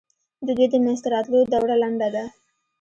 د دوی د منځته راتلو دوره لنډه ده.